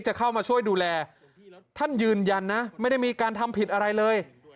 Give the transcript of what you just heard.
จะเข้ามาช่วยดูแลท่านยืนยันนะไม่ได้มีการทำผิดอะไรเลย